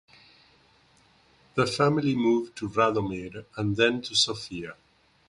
The family moved to Radomir and then to Sofia.